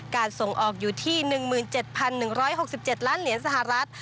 ส่งออกอยู่ที่๑๗๑๖๗ล้านเหรียญสหรัฐ